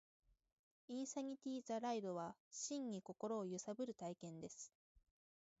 インサニティ・ザ・ライドは、真に心を揺さぶる体験です